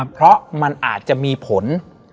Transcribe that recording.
เพราะมันอาจจะมีผล